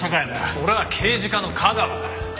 俺は刑事課の架川だ。